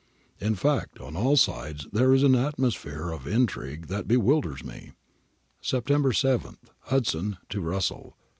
In fact on all sides there is an atmosphere of in trigue that bewilders me.' September 7. Hudson to Russell.